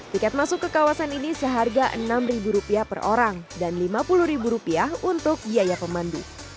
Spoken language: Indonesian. tiket masuk ke kawasan ini seharga rp enam per orang dan rp lima puluh untuk biaya pemandu